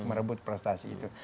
yang merebut prestasi itu